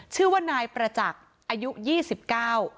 ชื่อว่านายประจักษ์อายุยี่สิบเก้า